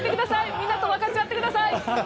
みんなと分かち合ってください。